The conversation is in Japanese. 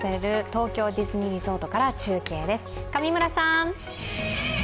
東京ディズニーリゾートから中継です。